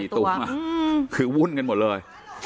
สี่ตัวค่ะคือวุ่นกันหมดเลย